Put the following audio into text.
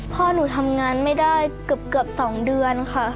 พ่อหนูทำงานไม่ได้เกือบ๒เดือนค่ะ